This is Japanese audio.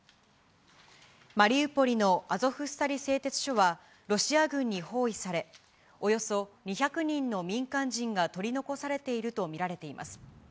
マリウポリのアゾフスタリ製鉄所は、ロシア軍に包囲され、およそ２００人の民間人が取り残されていると見られています。